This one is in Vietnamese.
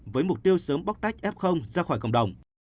với mục tiêu sớm bóc tách f ra khỏi cộng đồng